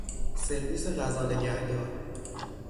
سرویس غذا نگه دار